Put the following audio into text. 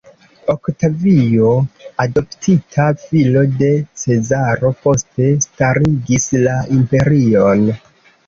Oktavio, adoptita filo de Cezaro, poste starigis la imperion.